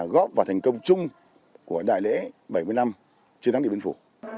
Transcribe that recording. góp vào thành công chung của đại lễ bảy mươi năm chiến thắng điện biên phủ